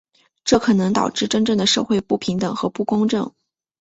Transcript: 这可能导致真正的社会不平等和不公正。